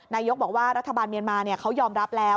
นายกบอกว่ารัฐบาลเมียนมาเขายอมรับแล้ว